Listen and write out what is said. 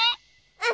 うん！